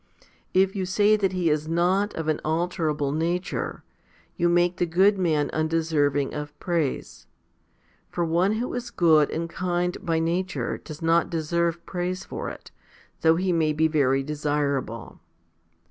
If you say that he is not of an alterable nature, you make the good man un deserving of praise. For one who is good and kind by nature does not deserve praise for it, though he may be very desirable.